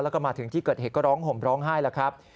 แล้วก็มาถึงที่เกิดเหตุก็ร้องห่มร้องไห้แล้วครับ